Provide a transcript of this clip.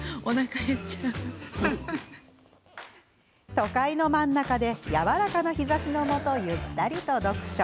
都会の真ん中で柔らかな日ざしのもとゆったりと読書。